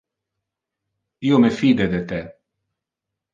Io me fide de te.